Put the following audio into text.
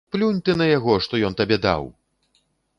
Плюнь ты на яго, што ён табе даў!